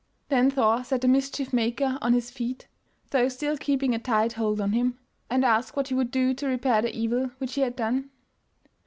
Then Thor set the mischief maker on his feet, though still keeping a tight hold on him, and asked what he would do to repair the evil which he had done.